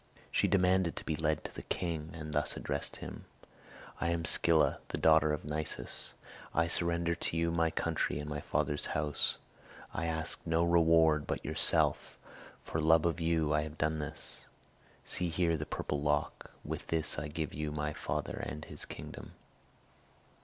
She demanded to be led to the king, and thus addressed him: "I am Scylla, the daughter of Nisus. I surrender to you my country and my father's house. I ask no reward but yourself; for love of you I have done it. See here the purple lock! With this I give you my father and his kingdom."